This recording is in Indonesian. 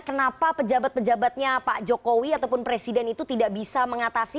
kenapa pejabat pejabatnya pak jokowi ataupun presiden itu tidak bisa mengatasi